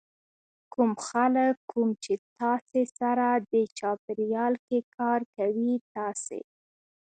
کوم خلک کوم چې تاسې سره دې چاپېریال کې کار کوي تاسې